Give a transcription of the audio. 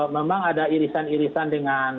memang ada irisan irisan dengan